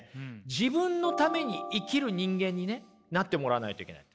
自分のために生きる人間にねなってもらわないといけない。